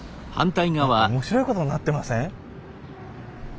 何か面白いことになってません？